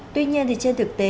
tuy nhiên trên thực tế